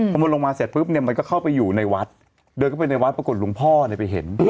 พอมันลงมาเสร็จปุ๊บเนี่ยมันก็เข้าไปอยู่ในวัดเดินเข้าไปในวัดปรากฏหลวงพ่อเนี่ยไปเห็น